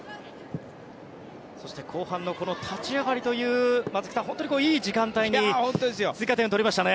そして後半の立ち上がりという本当にいい時間帯に追加点を取りましたね。